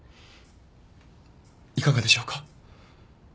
いかがでしょうか？